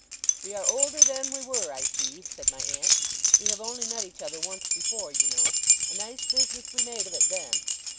'We are older than we were, I see,' said my aunt. 'We have only met each other once before, you know. A nice business we made of it then!